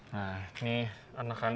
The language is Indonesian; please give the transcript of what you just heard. nah ini anakannya